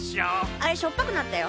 あれしょっぱくなったよ。